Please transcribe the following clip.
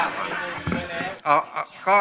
ไม่ได้ยินเลยค่ะ